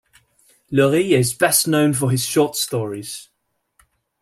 Lurie is best known for his short stories.